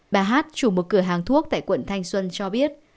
bà hát chủ một cửa hàng thuốc tại quận thanh xuân cho biết